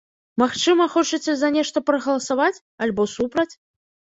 Магчыма, хочаце за нешта прагаласаваць, альбо супраць?